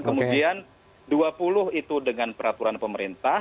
kemudian dua puluh itu dengan peraturan pemerintah